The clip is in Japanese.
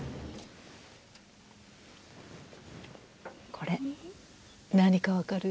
これ何か分かる？